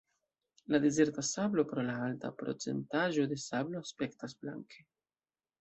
La dezerta sablo pro la alta procentaĵo de sablo aspektas blanke.